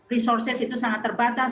resources itu sangat terbatas